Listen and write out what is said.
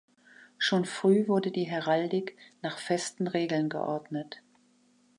Schon früh wurde die Heraldik nach festen Regeln geordnet.